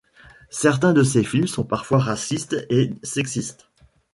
Certains de ces films sont parfois racistes et sexistes.